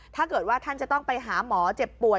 ถ้าเกิดว่าท่านจะต้องไปหาหมอเจ็บป่วย